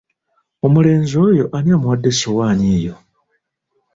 Omulenzi oyo ani amuwadde essowaani eyo?